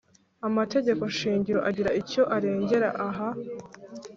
amategeko shingiro agira icyo arengera aha,